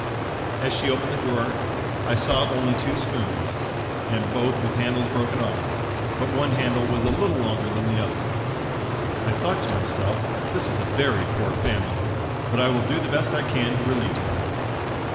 As she opened the drawer, I saw only two spoons, and both with handles broken off, but one handle was a little longer than the other. I thought to myself this is a very poor family, but I will do the best I can to relieve them.